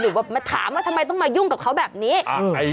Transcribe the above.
มาถามว่าทำไมต้องมายุ่งกับเขาแบบนี้